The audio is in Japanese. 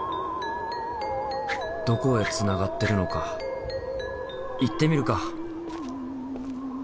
どこへつながってるのか行ってみるか。